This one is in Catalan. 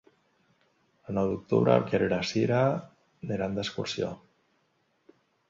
El nou d'octubre en Quer i na Cira iran d'excursió.